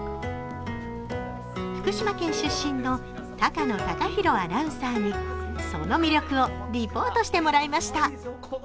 福島県出身の高野貴裕アナウンサーにその魅力をリポートしてもらいました。